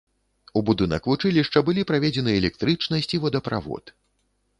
У будынак вучылішча былі праведзены электрычнасць і водаправод.